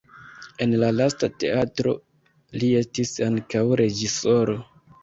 En la lasta teatro li estis ankaŭ reĝisoro.